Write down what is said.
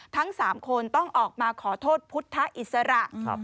ทั้ง๓คนต้องออกมาขอโทษพุทธอิสระ